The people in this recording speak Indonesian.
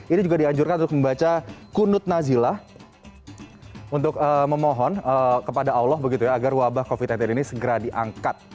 ini juga dianjurkan untuk membaca kunud nazilah untuk memohon kepada allah begitu ya agar wabah covid sembilan belas ini segera diangkat